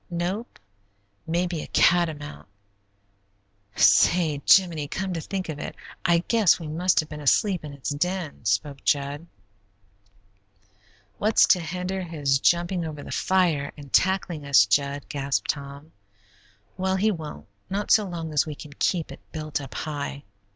"Nope; maybe a catamount. Say, Jiminy, come to think of it, I guess we must have been asleep in its den," spoke Jud. "What's to hinder his jumping over the fire and tackling us, Jud?" gasped Tom. "Well, he won't, not so long as we can keep it built up high.